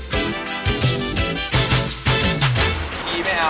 ปี๊ไหนเอา